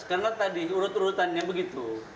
karena tadi urut urutannya begitu